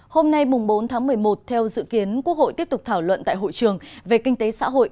hôm nay bốn tháng một mươi một theo dự kiến quốc hội tiếp tục thảo luận tại hội trường về kinh tế xã hội